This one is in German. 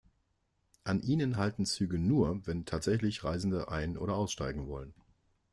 An ihnen halten Züge nur, wenn tatsächlich Reisende ein- oder aussteigen wollen.